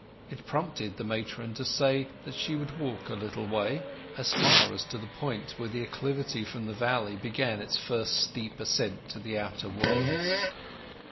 It prompted the matron to say that she would walk a little way—as far as to the point where the acclivity from the valley began its first steep ascent to the outer world.